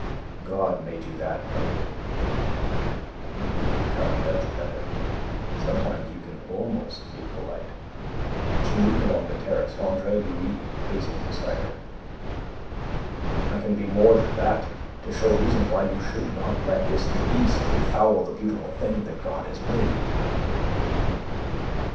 "God made you that, Aline." "Come, that's better. Sometimes you can almost be polite." And she moved along the terrace, Andre Louis pacing beside her. "I can be more than that to show reason why you should not let this beast befoul the beautiful thing that God has made."